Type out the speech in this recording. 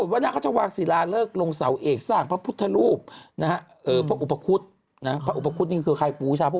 ไม่ยากจะมีของกินมีทรัพย์ตลอดเวลา